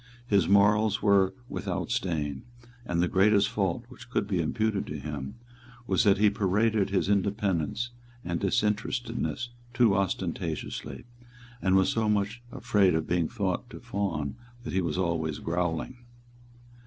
His morals were without stain; and the greatest fault which could be imputed to him was that he paraded his independence and disinterestedness too ostentatiously, and was so much afraid of being thought to fawn that he was always growling.